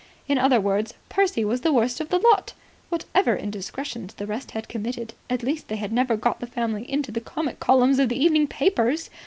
In other words, Percy was the worst of the lot. Whatever indiscretions the rest had committed, at least they had never got the family into the comic columns of the evening papers.